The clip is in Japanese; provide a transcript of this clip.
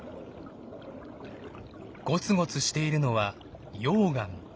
ゴツゴツしているのは溶岩。